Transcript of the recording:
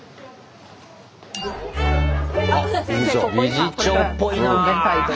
理事長っぽいな。